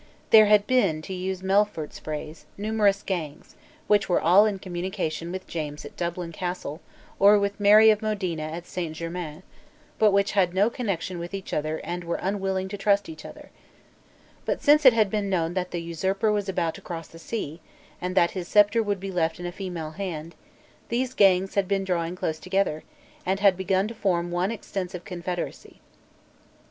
There had been, to use Melfort's phrase, numerous gangs, which were all in communication with James at Dublin Castle, or with Mary of Modena at Saint Germains, but which had no connection with each other and were unwilling to trust each other, But since it had been known that the usurper was about to cross the sea, and that his sceptre would be left in a female hand, these gangs had been drawing close together, and had begun to form one extensive confederacy.